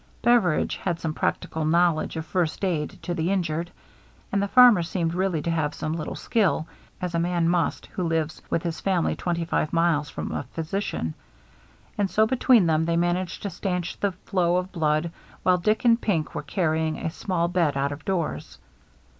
Beveridge had some prac tical knowledge of first aid to the injured; and the farmer seemed really to have some little skill, as a man must who lives with his family twenty five miles from a physician. And so THE MEETING 341 between them they managed to stanch the flow of blood while Dick and Pink were carrying a small bed out of doors.